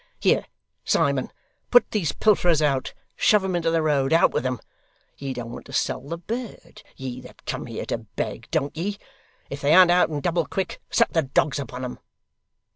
Here, Simon, put these pilferers out, shove 'em into the road, out with 'em! Ye don't want to sell the bird, ye that come here to beg, don't ye? If they an't out in double quick, set the dogs upon 'em!